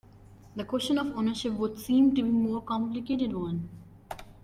The question of ownership would seem to be a more complicated one.